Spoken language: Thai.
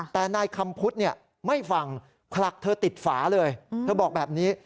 แต่นายคำพุทธไม่ฟังผลักเธอติดฝาเลยเธอบอกแบบนี้